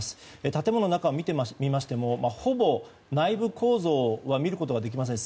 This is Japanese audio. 建物の中を見てみましてもほぼ内部構造は見ることができません。